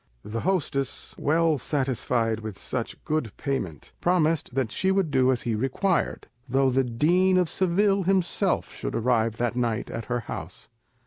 The hostess, well satisfied with such good payment, promised that she would do as he required, though the Dean of Seville himself should arrive that night at her house.